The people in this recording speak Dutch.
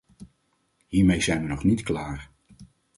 Hiermee zijn we nog niet klaar.